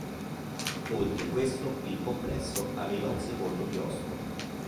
Oltre questo, il complesso aveva un secondo chiostro.